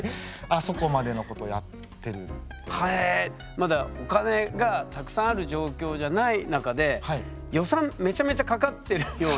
まだお金がたくさんある状況じゃない中で予算めちゃめちゃかかってるような。